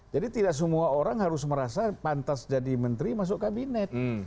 jadi tidak semua orang harus merasa pantas jadi menteri masuk kabinet